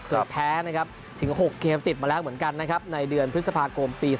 แพ้นะครับถึง๖เกมติดมาแล้วเหมือนกันนะครับในเดือนพฤษภาคมปี๒๕